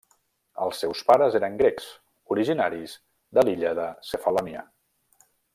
Els seus pares eren grecs, originaris de l'illa de Cefalònia.